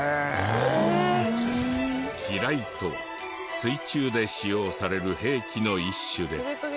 機雷とは水中で使用される兵器の一種で。